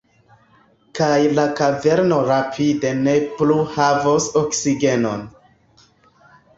Kaj la kaverno rapide ne plu havos oksigenon.